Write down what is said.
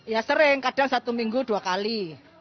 ya sering kadang satu minggu dua kali